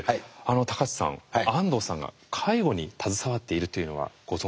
高知さん安藤さんが介護に携わっているというのはご存じでした？